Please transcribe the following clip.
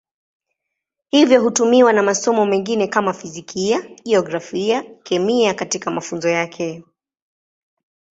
Hivyo hutumiwa na masomo mengine kama Fizikia, Jiografia, Kemia katika mafunzo yake.